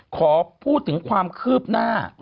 ขอพูดถึงความคืบหน้า